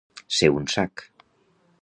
Ser un sac.